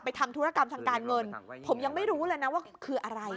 ทำธุรกรรมทางการเงินผมยังไม่รู้เลยนะว่าคืออะไร